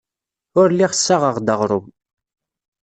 Ur lliɣ ssaɣeɣ-d aɣrum.